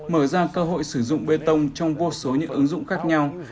mở ra cơ hội sử dụng bê tông trong vô số những ứng dụng khác nhau